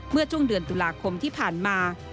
เมื่อช่วงเดือนตุลาคมที่ผ่านมา